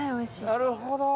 なるほど。